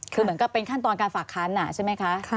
คือเหมือนกับเป็นขั้นตอนการฝากคันใช่ไหมคะ